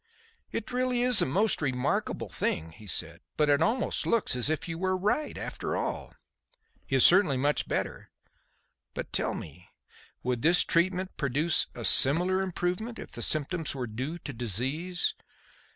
"It is really a most remarkable thing," he said, "but it almost looks as if you were right, after all. He is certainly much better. But tell me, would this treatment produce a similar improvement if the symptoms were due to disease?"